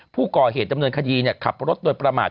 ผู้ก่อเหตุดำเนินคดีขับรถโดยประมาท